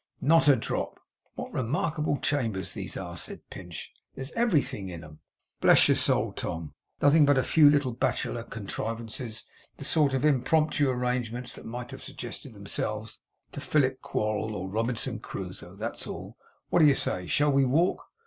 'Not a drop! What remarkable chambers these are!' said Pinch 'there's everything in 'em!' 'Bless your soul, Tom, nothing but a few little bachelor contrivances! the sort of impromptu arrangements that might have suggested themselves to Philip Quarll or Robinson Crusoe, that's all. What do you say? Shall we walk?